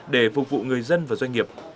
để phục vụ người dân và doanh nghiệp